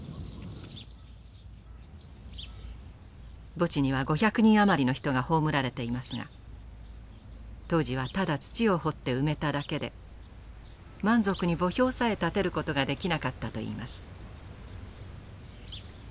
墓地には５００人余りの人が葬られていますが当時はただ土を掘って埋めただけで満足に墓標さえ立てることができなかったといいます。